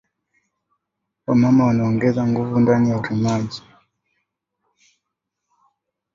Wa mama wana ongeza nguvu ndani ya urimaji